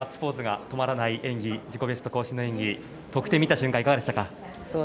ガッツポーズが止まらない自己ベスト更新の演技得点見た瞬間はいかがでしたか？